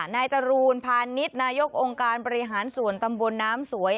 นายจรูนพาณิชย์นายกองค์การบริหารส่วนตำบลน้ำสวย